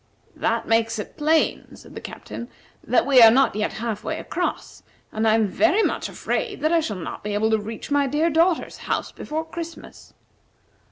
"That makes it plain," said the Captain, "that we are not yet half way across, and I am very much afraid that I shall not be able to reach my dear daughter's house before Christmas."